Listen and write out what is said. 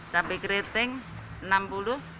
cabai keriting rp enam puluh